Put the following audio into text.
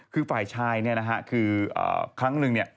คือฝ่ายชายเนี่ยนะฮะคือครั้งหนึ่งเนี่ย